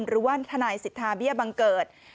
หรือว่าทนายสิทธาเบี้ยบังเกิด